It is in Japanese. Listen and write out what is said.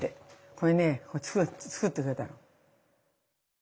これね作ってくれたの。